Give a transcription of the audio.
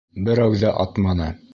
Берәү ҙә атманы.